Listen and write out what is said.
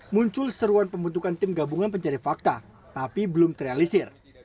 muncul seruan pembentukan tim gabungan pencari fakta tapi belum terrealisir